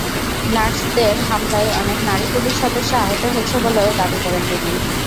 নার্সদের হামলায় অনেক নারী পুলিশ সদস্য আহত হয়েছে বলেও দাবি করেন তিনি।